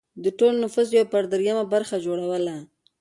د ټول نفوس یو پر درېیمه برخه یې جوړوله